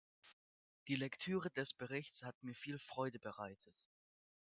Die Lektüre des Berichts hat mir viel Freude bereitet.